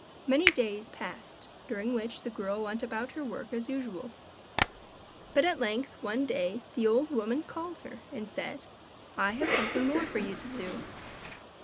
Many days passed during which the girl went about her work as usual, but at length one day the old woman called her and said: 'I have something more for you to do.